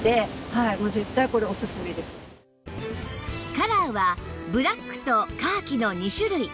カラーはブラックとカーキの２種類